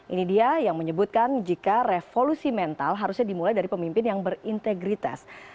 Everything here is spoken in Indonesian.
ini dia yang menyebutkan jika revolusi mental harusnya dimulai dari pemimpin yang berintegritas